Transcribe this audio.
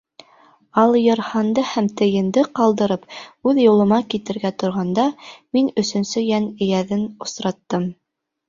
Алйырһанды һәм тейенде ҡалдырып, үҙ юлыма китергә торғанда, мин өсөнсө йән эйәҙен осраттым.